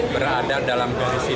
berada dalam organisasi